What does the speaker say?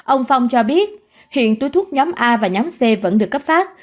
ông phong cho biết hiện túi thuốc nhóm a và nhóm c vẫn được cấp phát